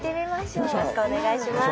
よろしくお願いします。